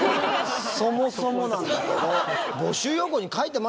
そもそもなんだけど。